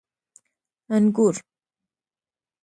🍇 انګور